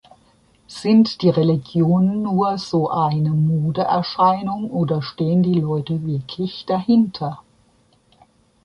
Sind die Religionen nur so eine Modeerscheinung oder stehen die Leute wirklich dahinter?